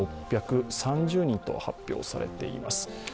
２６３０人と発表されています。